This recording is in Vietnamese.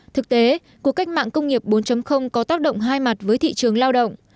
thực tế cuộc cách mạng công nghiệp bốn có tác động hai mặt với thị trường lao động